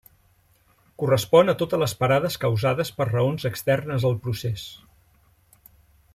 Correspon a totes les parades causades per raons externes al procés.